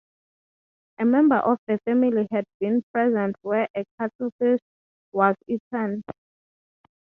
A member of the family had been present where a cuttlefish was eaten.